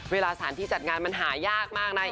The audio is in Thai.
เวลาสถานที่จัดงานมันหายากมากนะ